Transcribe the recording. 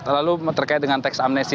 lalu terkait dengan teks amnesti